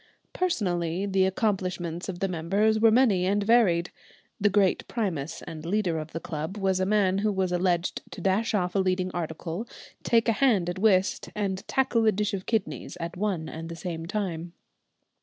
Personally the accomplishments of the members were many and varied. The great primus and leader of the club was a man who was alleged to dash off a leading article, take a hand at whist, and tackle a dish of kidneys at one and the same time.